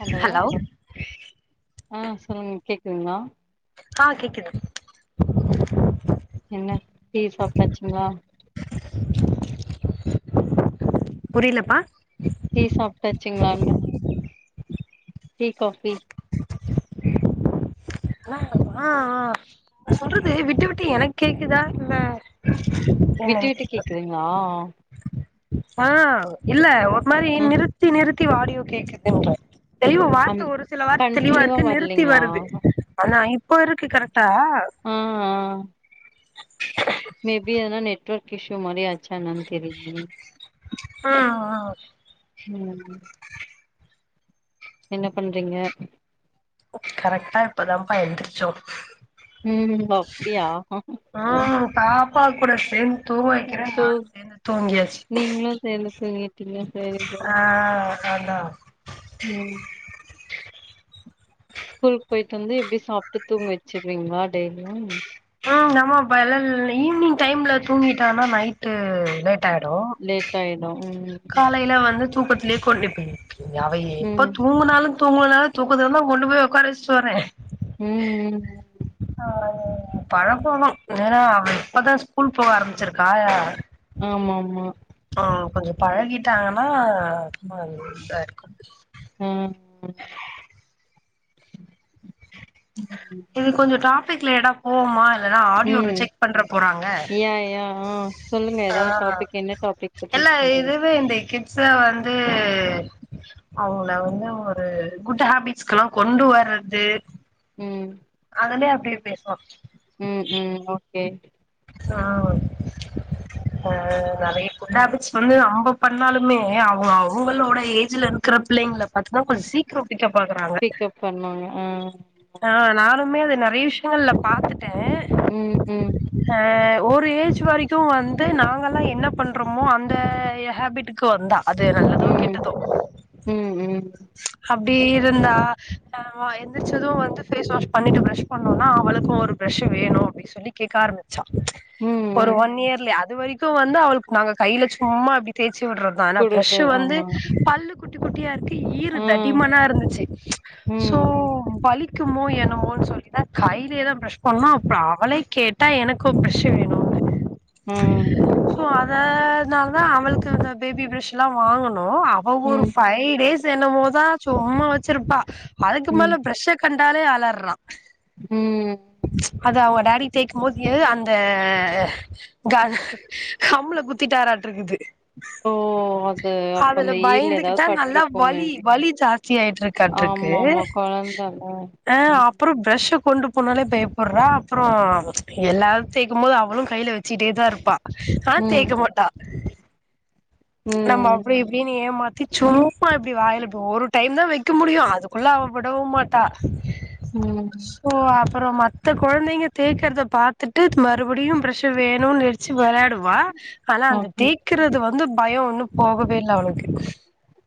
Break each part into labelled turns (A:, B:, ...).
A: Hello ஆ சொல்லுங்க கேக்குதுங்ளா
B: ஆ கேக்குது
A: என்ன டீ சாப்டாச்சுங்ளா
B: புரிலப்பா
A: டீ சாப்டாச்சுங்ளான்னே டீ காஃபி
B: அ ஆ ஆ நா சொல்றது விட்டு விட்டு எனக் கேக்குதா இல்ல
A: விட்டு
B: என்னன்னு
A: விட்டு
B: தெர்ல
A: கேக்குதுங்ளா
B: ஆ இல்ல ஒரு மாரி
A: ஆ
B: நிறுத்தி நிறுத்தி வாடியோ கேக்குதுன்ற தெளிவு
A: அந்
B: வார்த்த ஒரு சில வார்த்த தெளிவா
A: கண்டினியூவா
B: இருக்கு நிறுத்தி
A: வரலைங்களா
B: வருது ஆனா இப்ப இருக்கு கரட்டா
A: ஆ ஆ மேபி எதனா நெட்வர்க் இஷ்யூ மாரி ஆ ச்சா என்னன் தெரிலியே
B: ம் ம்
A: ம் ம் என்ன பண்றீங்க
B: கரெக்ட்டா இப்பதாம்ப்பா எந்திரச்சோம்-
A: ம் அப்டியா
B: ம் பாப்பா கூட சேந்து தூங்க வைக்கிறேன்னு நானு
A: தூக்
B: சேந்து தூங்கியாச்சு
A: நீங்ளு சேந்து தூங்கிட்டீங்க சேரி
B: ஆ
A: சேரி
B: அதா
A: ம் ஸ்கூலுக் போயிட்டு வந்து இப்டி சாப்ட்டு தூங்க வெச்சிருவீங்ளா டெய்லியு
B: ம் நம்ம இப்ப எல்லால் ஈவி்னிங் டைம்ல தூங்கிட்டனா நைட்டு லேட் ஆயிடு
A: லேட் ட்டாய்டு ம்
B: காலைல வந்து தூக்கத்து லே கொண்டு போயி விட்ருவே அவ
A: ம்
B: எப்பத் தூங்கனாலு தூங்கலனாலு தூங்கதந்தா கொண்டு போய் ஒக்கார வெச்ட்டு வரே
A: ம் ம்
B: [unintelligible] பழக்கனு எனா அவ இப்பதா ஸ்கூல் போக ஆரமிச்சிருக்கா
A: ஆமா மா
B: ஆ கொஞ்சோ பழகிட்டாங்கனா இதா இருக்கும்
A: ம்
B: இது கொஞ்சோ டாப்பிக் லேடாப் போவுமாருக் எதனா ஆடியோ
A: ம்
B: ரிஜெக்ட் பண்றப் போறங்க
A: யா யா ஆ சொல்லுங்க
B: ஆ
A: ஏதாவது டாபிக் என்ன டாபிக் பத்தி
B: எல்லா
A: சொல்றீங்க
B: இதுவே இந்த கிட்ஸா வந்து அவங்ள வந்து ஒரு குட் ஹேபிட்ஸ்கெலா கொண்டு வறத் து
A: ம்
B: அதுலியே அப்டியே பேச்வா
A: ம் ம் ஓகே
B: ஆ அ நெறையா ஃபுட் ஹாபிட்ஸ் வந்து நம்ம பண்ணாலுமே அவுங்க அவுங்களோட ஏஜ்லருந்து க்கற பிள்ளைங்கள பாத்தீங்னா கொஞ்சோ சீக்கிரம் பிக்கப் ஆகுறாங்க
A: பிக்கப் பண்ணுவாங்க ஆ
B: ஆ நானுமே அது நெறைய விஷ்யங்கள்ல பாத்துட்டேன்
A: ம் ம்
B: அ ஒரு ஏஜ் வரைக்கு வந்து நாங்கல்லா என்ன பண்றமோ அந்த ஹேபிட்டுக்கு வந்தா அது நல்லதோ
A: ம்
B: கெட்டதோ
A: ம் ம்
B: அப்டி இருந்தா நாம எந்திரச்சிது வந்து ஃபேஸ் வாஷ் பண்ணிட்டு ப்ரஷ் பண்ணோனா அவளுக்கு ஒரு பிரஷ்ஷு வேணு அப்டின் சொல்லி கேக்க ஆரம்பிச்சா
A: ம்
B: ஒரு
A: ம்
B: ஒன் இயர்லயே அது வரைக்கு வந்து அவளுக்கு நாங்க கைல சும்மா அப்டி தேச்சு விடறது ஆனா ப்ரஷ்ஷு
A: குடுத்தது
B: வந்து
A: ஆமா
B: பல்லு குட்டி குட்டியா இருக்கு ஈறு
A: ஆ
B: தடிமனா இருந்துச்சு சோ
A: ம்
B: வலி க்குமோ என்னமோன் சொல்லிதா கைலயேதா ப்ரஷ் பண்ணொ அப்றொ அவளே கேட்டா எனக்கு ப்ரஷ் வேணூ
A: ஆ
B: சோ அதனால்தா அவள்க்கு அந்த பேபி ப்ரஷ் எல்லா வாங்குணோ ஓ அவ ஒரு
A: ம்
B: ஃபைவ் டேஸ் என்னமோதா சும்மா வெச்சிருப்பா அதுக்கு
A: ம்
B: மேல பிரஷ்ஷ கண்டாலே அலர்றான்
A: ம்
B: அது அவங்க டேடி தேய்க்கும்போது எது அந்த க கம்ள குத்திட்டாராட்டுருக்குது
A: ஓ அது அப்ப
B: அதுல
A: அந்த ஈர்ல எதாவது
B: பயந்துகிட்டா
A: பட்ரு
B: நல்லா வலி வலி ஜாஸ்தியாய்ட்ருக்காட்ருக்கு
A: ஆமா ஆமா கொழந்தல்ல
B: ஆ
A: ம்
B: அ ப்றொ ப்ரஷ்ஷ கொண்டு போனாலே பயப்படறா அப்றோ எல்லார் தேய்க்கும்போது அவளு கைல வெச்சிகிட்டேதா இருப்பா ஆனா
A: ம்
B: தேய்க்க மாட்டா நம்ம
A: ம்
B: அப்டி ன்னு ஏமாத்தி சும்மா இப்டி வாய்ல இப்பொ ஒரு டைம்தா வெக்க முடியு அதுக்குள்ள அவ விடவும் மா டா
A: ம்
B: ஓ அப்றோ மத்த கொழந்தைங்க தேக்கறத பாத்துட்டு மறுபடியு பிரஷ்ஷ வேணுன் நி ச்சி வெளாடுவா ஆனா அந்த
A: ஓகே
B: தேய்க்கறது வந்து பயோ இன்னு போகவே இல்ல அவளுக்கு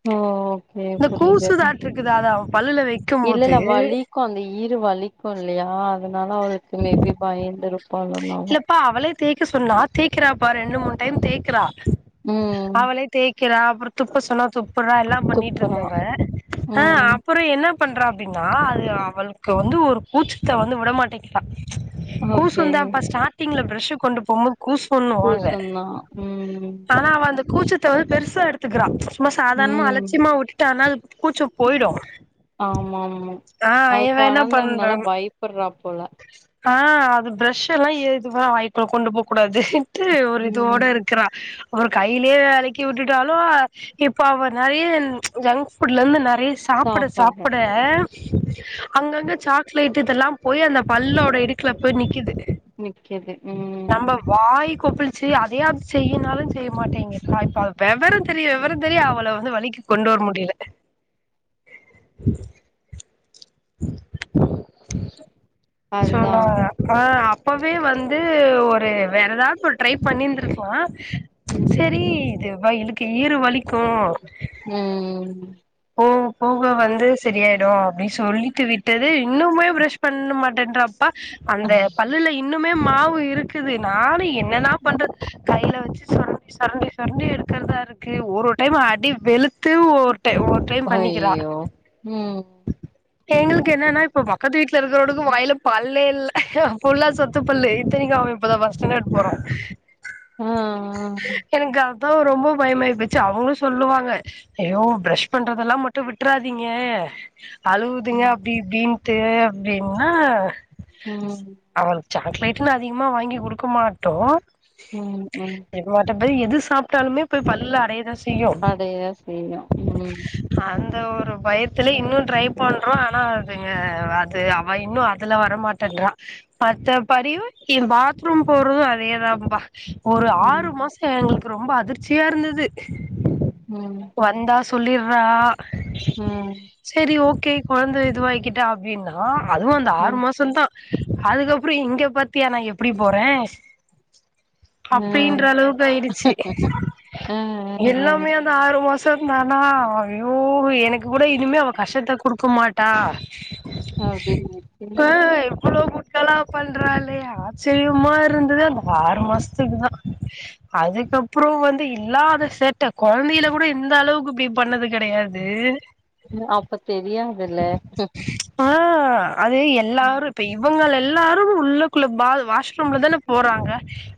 A: ஓ ஓகே
B: இந்த
A: புரியுது
B: கூசுதாற்றுருக்குது அத அவ பல்லுல வெக்கும்போது
A: அப்போ அந்த ஈரு வலிக்கு இல்லையா அதனால அவளுக்கு மேபி பயந்துருப்பாளோனால
B: ப்பா அவளே தேக்க சொன்னா தேக்கறாப்பாரு ரெண்டு மூணு டைம் தேக்றா
A: ம்
B: அவளே தேய்க்றா அப்றோ துப்ப சொன்னா துப்புறா எல்லா பண்ணிட்டு
A: துப்புறா
B: இருந்தவ ஆ
A: ம்
B: அப்றோ என்ன என்ன பண்றா அப்டினா அது அவளுக்கு வந்து ஒரு கூச்சத்த வந்து விடமாட்டீகுது
A: ஓகே
B: கூசுந்தான் அப்ப ஸ்டார்டிங்ல பிரஷ் கொண்டு போம்போது கூசுண்ணுவாங்க
A: கூசுந்தா ம்
B: ஆனா அவ அந்த கூச்ச த்த அவ பெருசா எடுத்துக்கிறா சும்மா சாதாரணமா
A: ம்
B: அலட்சியமா வுட்டுட்டானா அது கூச்சோ போயிடு
A: ஆமாமா
B: ஆ
A: அது
B: இவ என்ன
A: கொழந்தனால
B: பண்றான்
A: பயப்படுறா போல
B: ஆ அது ப்ரஷ்ஷெல்லா ஏதுமா வாய்க்குள்ள கொண்டு போ கூடாதுன்ட்டு ஒரு
A: ம்
B: இதோட இரு க்கறா அப்றோ கைலயே வெளக்கி வுட்டுட்டாலு இப்ப அவ நெறைய ஜங்க் ஃபுட்லந்து ந தயிர் சாப்பிட
A: சாப்பட்றா
B: சாப்பிட அங்கங்க சாக்லேட் சாப்டதெல்லாம் போய் அந்த பல்லோட இடுக்குல போய் நிக்குது
A: நிக்குது ம்
B: நம்ப வாய் கொப்பிலி சி அதையாவது செய்யனாலும் செய்ய மாட்டேங்குது இப்ப அவ விவரம் தெரியும் விவரம் தெரியும் அவ்வளவு வழிக்கு கொண்டு வர முடியல
A: அதுதா
B: சொன்னா ஆ அப்பவே வந்து ஒரு வேற ஏதாவது ஒரு ட்ரை பண்ணியிருந்திருக்கலாம் சேரி
A: ம்
B: இது இவளுக்கு ஈறு வலிக்கும்
A: ம் ம்
B: போக போக வந்து சரியாயிடும் அப்படின் சொல்லிட்டு விட்டு விட்டது இன்னுமே பிரஷ் பண்ண மாட்டேன்றாப்ப அந்த பல்லுல இன்னுமே மாவு இருக்குது நானும் என்னதான் பண்றது கையில வச்சு சுரண்டி சுரண்டி சுரண்டி எடுக்கிறதா இருக்கு ஒரு டைம் அடி வெளுத்து ட்ட ஒரு டைம் பண்ணிக்கிறா
A: ஐயோ ம்
B: எங்களுக்கு என்னன்னா இப்ப பக்கத்து வீட்டுல இருக்கிறவனுக்கு வாயில பல்லே இல்ல ஃபுல்லா சொத்த பல்லு இத்தனைக்கும் அவன் இப்பதான் ஃபர்ஸ்ட் ஸ்டாண்டர்டு போறான்
A: ஆ ஆ
B: எனக்கு அதான் ரொம்ப பயமாய்ப்போச்சு அவுங்க சொல்லுவாங்க ஐயோ ஃப்ரஷ் பண்றதெல்லாம் மட்டும் விட்டுறாதீங்க அழுகுதுங்க
A: ம்
B: அப்படி இப்படின் ட்டு அப்படின்னா
A: உம்
B: அவளுக்கு சாக்லேட்ன்னு அதிகமா வாங்கி குடுக்க மாட்டோம்
A: உம் உம்
B: எப்பமாட்டுப்போய் எது சாப்ட்டாலுமே போய் பல்லுல அடையதான் செய்
A: அடைய செய்யுங்க ம்
B: அந்த ஒரு பயத்துல இன்னும் ட்ரை பண்றோம் ஆனா அதுங்க அது அவ இன்னும் அதுல வரமாட் ட்டேன்றா மத்த பறிவு பாத்ரூம் போறதும் அதேதான்பா ஒரு
A: ம்
B: ஆறு மாசம் எங்களுக்கு ரொம்ப அதிர்ச்சியா இருந்தது
A: ம்
B: வந்தா சொல்லிறா
A: ம்
B: சேரி ஓகே கொழந்த இதுவாகிட்டா அப்படின்னா அதுவும் அந்த ஆறு மாசம் தான் அதுக்கப்புறம் இங்க பாத்தியா நா எப்படி போறேன் அப்படின்ற
A: ம்
B: அளவுக்கு ஆயிடுச்சு
A: அ அ அ
B: எல்லாமே அ ஆறு மாசம் தானா ஐயோ எனக்கு கூட இனிமே அவா கஷ்டத்த குடுக்க மாட்டா
A: அப்படி நெனச்சேன்
B: க்கலா பண்றாயில்லையே ஆச்சரியமா இருந்தது அந்த ஆறு மாசத்துக்குதா அதுக்கப்புறம் வந்து இல்லாத சேட்ட கொழந்த [unintelligible] கூட இந்தளவுக்கு இப்படி பண்ணது கிடையாது
A: அப்ப தெரியாதுல்ல
B: ஆ அது எல்லாரும் இப்ப இவுங்க எல்லாரும் உள்ளக்குள்ள பால் வாஷ்ரூம்லதான போறாங்க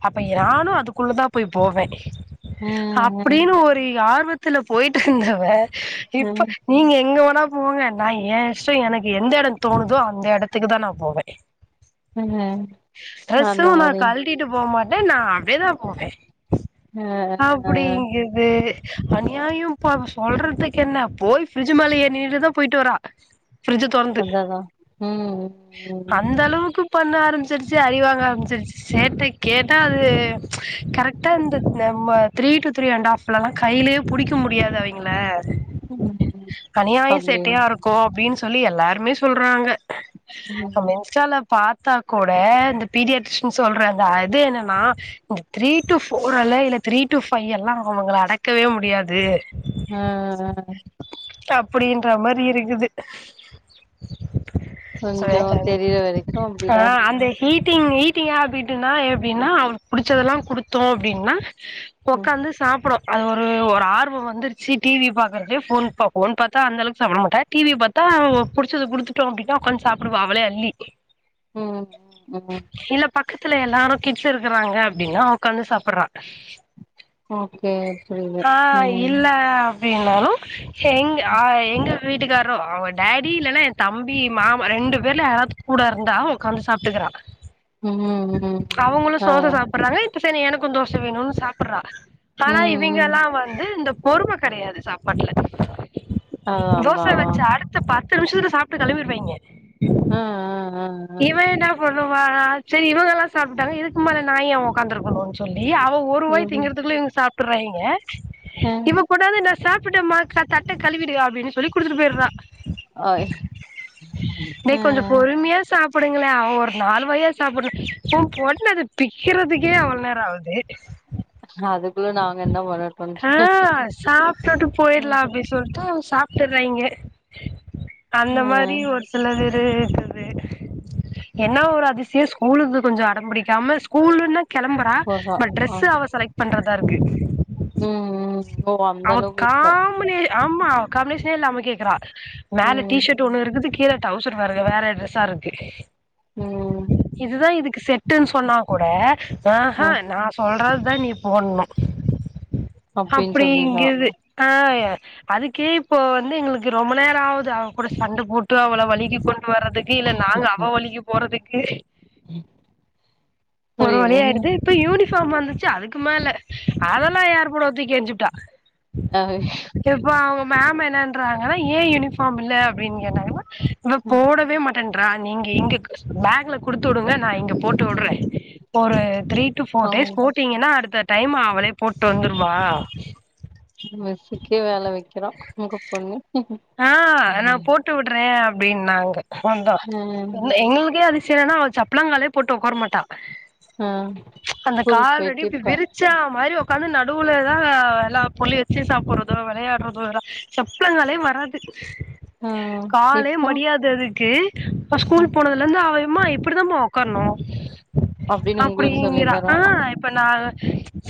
B: அப்ப யாரும் அதுக்குள்ளதா போய் போவே
A: அ
B: அப்படின்னு ஒரிய் ஆர்வத்துல போயிட்ருந்தவ
A: அ
B: இப்ப நீங்க எங்க வோனா போங்க நா ஏ இஷ்டோ எனக் எந்த எட தோணுதோ அந்த எடத்துக்குதா நா போவே
A: அ அ
B: ட்ரெஸ்சு
A: அந்த
B: நா
A: மாரி
B: கழ்ட்டிட்டு போ மாட்டே நா அப்ட்யேதா போவே
A: அ அ
B: அப்புடிங்கிது அந்யாயும்பா சொல்றத்துக்கென்ன போய் ஃப்ரிஜ்ஜி மேல ஏர் நிண்ணுட்டுதா போய்ட்டு வரா ஃப்ரிஜ்ஜ தொற்ந்து
A: அதா அதா ம் ம்
B: அந்த அளவுக்கு பண்ண ஆரம்ச்சிருச்சி அடிவாங்க ஆரம்ச்சிருச் சேட்டே கேட்டா அது கரக்ட்டா இந்த நம்ம three to three and half ப்லா கைலே புடிக்க முடியாது அவிங்ள
A: ம்
B: அனியாய
A: அப்டின்னு
B: சேட்டையா இருக்கு அப்டின் சொல்லி எல்லாருமே சொல்றாங்க நம்
A: ம்
B: இன்ஸ்டால பாத் தா கோட இந்த பீரியட்ஸ்னு சொல்ற அத அது என்னன்னா உ த்ரீ டூ ஃபோர் அலைல த்ரீ ட்டு ஃபை எல்லா அவங்கள அடக்கவே முடியாது
A: ஆஅ
B: அப்படின்ற மாரி இருக்குது
A: கொஞ்சோ தெரியிற வரைக்கு
B: ஆ
A: அப்டிதா இருக்கு
B: ஆந்தே ஈட்டிங் ஈட்டிங்கா அப்பிட்டுனா எப்டின்னா அவ்ளுக் புடிச்சதெல்லா குடுத்தோ அப்டின்னா
A: ம்
B: ஒக்காந்து சாப்புடு அது ஒரு ஒர் ஆர்வோ வந்துருச்சி டிவி பாக்கர்து ஃபோன் பாக்கோ வன் பாத்தா அந்தளவ் சாப்ட மாட்டா டிவிய பாத்தா புடிச்சது குடுத்துட்டோ அப்டின்னா உக்காந் சாப்புடுவா அவளே அள்ளி
A: ம் உ ம்ம்
B: இல்ல பக்கத்துல எல்லாரும் கிட்ஸ் இருக்குறாங்க அப்டின்னா ஒக்காந்து சாப்புர்றா
A: ஓகே புரியுது
B: ஆ
A: ம்
B: இல்ல அப்டின்னாலு ஹெங் ஆ எங் வீட்டுக்கார்ரு அவெ டேடி இல்லன்னா என் தம்பி மாமா ரெண்டு பேர்ல யாராவ்த் கூட இருந்தா உக்காந்து சாப்ட்ருக்கறா
A: ம் ம் ஆ
B: த்து சனி எனக்குன் தோஷ வேணுன் சாப்புட்றா ஆனா
A: ம் ம்
B: இவிங்கல்லா வர் இந்து இந்த பொறும கடையாது சாப்பாட்ல
A: அதாம்பா
B: தோச வச்சா அடுத்த பத்து நிம்ஷத்துல சாப்ட்டு கெளம்பிருவாய்ங்க
A: அ ஆ
B: பண்ணுவாகா ச்சரி இவங்கல்லா சாப்புட்டாங்க இதுக் மேல நா ஏ உக்காந்துருக்கணுன் சொல்லி அவவு ஒருவாய் திங்கற்த்துக்குள்ள எங் சாப்புர்றாய்ங்க
A: ம்
B: கொண்டாந்து நா சாப்புட்டமா கா தட்ட கழுவிடு அப்டின்னு சொல்லி குடுத்துட்டு போய்றா
A: ஐ
B: டே
A: ஆ
B: கொஞ்சு பொறும்யா சாப் புடுங்கலே அவ் ஒரு நாலு வாய சாப்புட்னு உ பொண்ணு அது பிக்கிறதுக்கே அவுள் நேர ஆவ்து
A: அதுக்குள்ள நாங்கென்ன பனோட்
B: ஆ
A: பண்ட்ரு
B: சாப்ட்டுட்டு போயிடலா
A: [unintelligible]
B: அப்டி சொல்ட்டு சாப்டுறாய்ங்க அந்த
A: ஆ
B: மாரி ஒர்ஸ் சிலது ரேகுதே என்னா ஒரு அதிசியு ஸ்கூலுக்கே கொஞ்சோ அடம் புடிக்காம ஸ்கூல்லுன்ன கெளம்புறா
A: போறா
B: பட் ட்ரெஸ்ஸு அவ செலக்ட் பண்றத்தா ருக்கு
A: ம்ம் ஓ அந்த அளவ் இப்ப
B: ஆம்மா கமிஷ்னே இல்லாம கேக்குறா மேல
A: ம்
B: டீஷர்ட் டு ஒண்ணு இருக்குது கீல டவ்சர் வேற வேற ட்ரெஸ்ஸாருக்கு
A: மூம்
B: இதுதா இதுக்கு செட்டுன்னு சொன்னா கூட,
A: ஆ
B: ஆஹ்ஹா நா சொல்றது தா நீ போடனு
A: அப்படின்னு சொல்லிறா
B: ஆ அதுக்கே இப்போ வந்து எங்களுக்கு ரொம்ப நேரோ ஆவுது. அவ கூட சண்ட போட்டு அவள வலிக்கு கொண்டு வர்றதுக்கு இல்ல நாங்க அவ வலிக்கு போறதுக்கு.
A: உம்
B: ஒரு வழி ஆயிடுது. இப்ப யூனிஃபார்ம் வந்துச்சு அதுக்கு மேல, அதெல்லா யார் போடுவா தூக்கி எறிஞ்புட்டா
A: ஆ
B: யப்பா அவங்க மேம் என்னன்றாங்கன்னா ஏ யூனிஃபார்ம் இல்ல அப்டின்னு கேட்டாங்கன்னா இவ போடவே மாட் ன்றா நீங்க இங்க பேக்ல குடுத்து வுடுங்க நா இங்க போட்டு வுடுறே ஒரு த்ரீ டூ ஃபோர்
A: பாவோ
B: டேஸ் போட்டீங்கன்னா அடுத்த டைம் அவளே போட்டு வந்துருவா
A: மிஸ்சுக்கே வேல வைக்குறா உங்க பொண்ணு.
B: ஆ நா போட்டு விடுறே அப்படின்னாங்க வந்தா.
A: ஆ
B: எங்களுக்கே அதிசியோ என்னனா சப்ளங்காலே போட்டு உக்கார மாட்டா.
A: ஆ
B: அந்த
A: ஸ்கூல்
B: கால்ரெண்டியு
A: போயிட்டு
B: இப்டி
A: இப்ப
B: விரிச் ச்சா மாரி உக்காந்து நடுவுலதா எல்லா பொருளயு வச்சு சாப்பிறதோ விளையாடுறதோ எல்லா சப்ளங்காலே வராது.
A: ஆ
B: காலே
A: இப்ப
B: மடியாது அதுக்கு இப்ப ஸ்கூல் போனதுல இருந்து அவ இம்மா இப்படிதாம்மா உக்காரணு
A: அப்டின்னு உங்களுக்கு சொல்லி
B: அப்டிங்கிறா
A: தரா
B: ஆஹ் இப்ப நா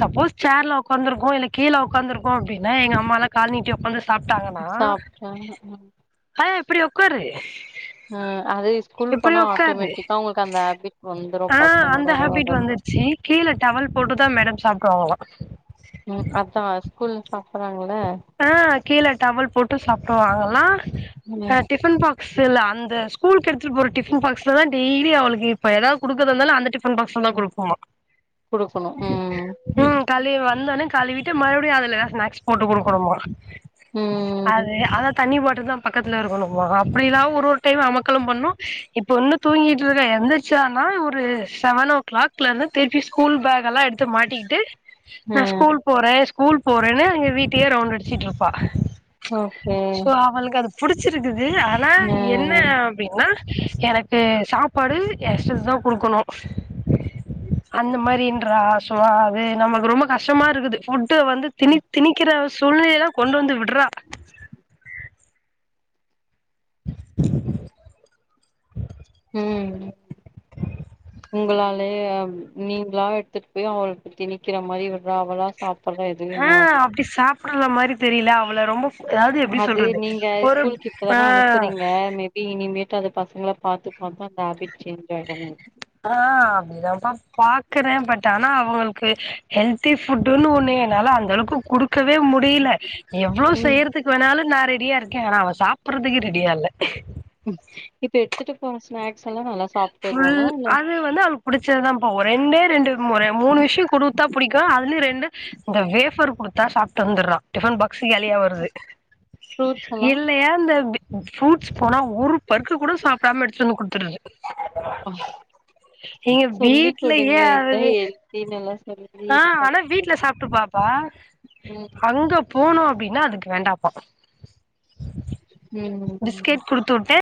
B: சப்போஸ் சேர்ல உக்காந்துருக்கோ இல்ல கீழ உக்காந்துருக்கோ அப்டின்னா, எங்க அம்மாலா கால்நீட்டி உக்காந்து சாப்ட்டாங்கன்னா
A: ஆமா ஆமா
B: ஹாயா இப்டி உக்காரு
A: ம் அதே ஸ்கூல்
B: இப்டி
A: போனா
B: உக்காரு
A: ஆட்டோமேட்டிக்கா அவுங்ளுக்கு அந்த ஹேபிட் வந்துரு பசங்களோட வர்றது.
B: ச்சி கீழ டவல் போட்டுதா மேடம் சாப்பிடுவாங்களா
A: ம் அதா ஸ்கூல்ல சாப்பறாங்கள
B: ஆஹ் கீழ டவல் போட்டு சாப்பிடுவாங்களா
A: ம்
B: இல்லாட்டி டிஃபன் பாக்ஸ்ல அந்த ஸ்கூலுக்கு எடுத்துட்டு போற டிஃபன் பாக்ஸ்லதா டெய்லி அவளுக்கு இப்ப எதாது குடுக்கிறதாயிருந்தாலு அந்த டிஃபன் டிஃபன்பாக்சுல தா கொடுக்னுமா
A: குடுக்கணு ம்
B: ம் கழுவி வந்தோனே கழுவிட்டு மறுபடியு அதுல தா ஸ்நாக்ஸ் போட்டு கொடுக் கனுமா
A: ம்
B: அது அதா தண்ணி பாட்டில் தா பக்கத்துல இருக்கணும்மா, அப்படில்லா ஒரு ஒரு டைம் அமக்களம் பண்ணு. இப்ப இன்னு தூங்கிட்டு இருக்கா. எந்திரிச்சானா ஒரு செவன் ஓ கிளாக்ல இருந்து திருப்பி ஸ்கூல் பேக் எல்லா எடுத்து மாட்டிக்கிட்டு நா
A: ம்
B: ஸ்கூல் போறே ஸ்கூல் போறேன்னு எங்க வீட் டயே ரவுண்ட் அடிச்சிட்டு இருப்பா
A: ஓகே
B: சோ அவளுக்கு அது புடிச்சிருக்குது ஆனா
A: ஆ
B: என்ன அப்டின்னா எனக்கு சாப்பாடு ஏ சிஸ் தா கொடுக்கணு அந்த மாரின்றா வா அது நமக்கு ரொம்ப கஷ்டமா இருக்குது. ஃபுட் வந்து திணி திணிக்கிற சூழ்நிலைல்லா கொண்டு வந்து விடு ட்டுறா
A: உம் உங்களாலேயே நீங்களா எடுத்துட்டு போய் அவளுக்கு திணிக்கிற மாரி விட்ரா அவளா சாப்
B: ஆஹ் அப்டி சாப்புடர மாரி தெரியல. அவள ரொம்ப அதாது எப்டி சொல்றது ஒரு ஆ
A: இப்பதானே அனுப்புறீங்க மேபி இனிமேட்டு, அது பசங்கள பாத்து பாத்து அந்த ஹேபிட் சேஞ் ஆயிடு
B: ஆஹ் அப்படிதாப்பா பாக்குறே பட் ஆனா அவங்களுக்கு ஹெல்தி ஃபுட்டுன்னு ஒண்ணு என்னால அந்த அளவுக்கு குடுக்கவே முடில எவ்ளோ
A: நீ
B: செய்யறதுக்கு வேணாலு நா ரெடியா இருக்கே ஆனா அவ சாப்பிடறதுக்கு ரெடியா இல்ல
A: இப்ப எடுத்துட்டு போன ஸ்நாக்ஸ் எல்லா நல்லா சாப்ட்டு
B: ஃபுல்
A: வருவாளா இல்ல
B: அது வந்து அவுளுக்கு புடிச்சது தான்பா ரெண்டே ரெண்டு மொற மூணு விஷயோ குடுத்தா பிடிக்கு அதுல ரெண்டு இந்த வேஃபர் குடுத்தா சாப்ட்டு வந்துறா டிஃவன் பாகஸ்ஸீ கேலியா வருது
A: ஃப்ரூட்ஸ் எல்லா
B: இல் ஏந்தா இப்டி ரூட்ஸ் போனா ஒரு பருக்கு கூட சாப்டாம எடுத்துட்டு வந்து குடுத்துறது
A: ஆ
B: எங்க
A: சொல்லி் குடுங்க
B: வீட்லயே
A: இதா
B: அது
A: ஹெல்த்தி நல்லா சொல்லி இது பண்ணி குடுங்க
B: வா
A: ம்
B: போனு அப்டின்னா அதுக்கு வேண்டாப்பா
A: ம்
B: பிஸ்கெட் குடுத்துட்டே